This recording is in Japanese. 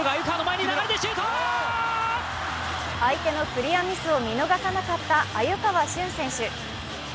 相手のクリアミスを見逃さなかった鮎川峻選手。